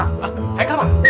hah aika apa